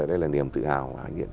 đây là niềm tự hào